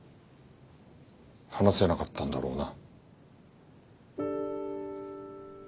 話せなかったんだろうな。